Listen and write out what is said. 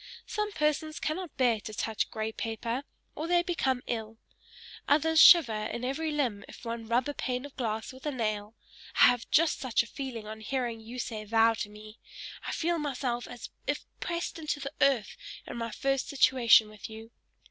Some persons cannot bear to touch grey paper, or they become ill; others shiver in every limb if one rub a pane of glass with a nail: I have just such a feeling on hearing you say thou to me; I feel myself as if pressed to the earth in my first situation with you.